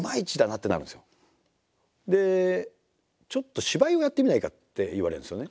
で「ちょっと芝居をやってみないか」って言われるんですよね